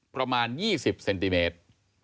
ประมาณ๒๐เซนติเมตร